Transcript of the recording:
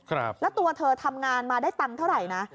แล้วตัวเธอทำงานมาได้ตังค์เท่าไหร่นะ